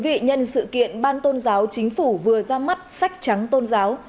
vị nhân sự kiện ban tôn giáo chính phủ vừa ra mắt sách trắng tôn giáo